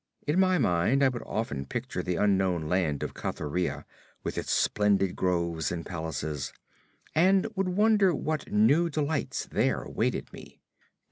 In my mind I would often picture the unknown Land of Cathuria with its splendid groves and palaces, and would wonder what new delights there awaited me.